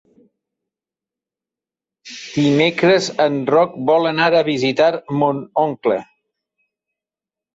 Dimecres en Roc vol anar a visitar mon oncle.